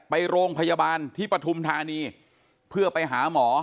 ไปโรงพยาบาลที่ปฐุมธานีเพื่อไปหาหมอ